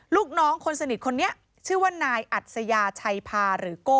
ลูกน้องคนสนิทคนนี้ชื่อว่านายอัศยาชัยพาหรือโก้